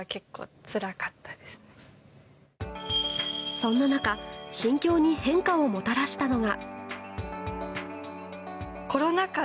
そんな中心境に変化をもたらしたのが。